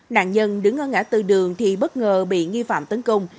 nạn nhân đứng ở ngã tư đường thì bất ngờ bị nghi phạm tấn công